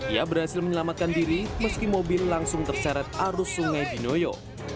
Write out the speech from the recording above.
ia berhasil menyelamatkan diri meski mobil langsung terseret arus sungai dinoyo